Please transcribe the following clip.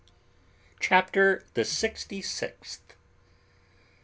CHAPTER THE SIXTY SIXTH.